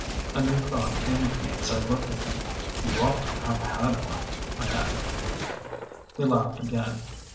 A new thought came to me as I looked at him. "You ought to have had one," I added. He laughed again.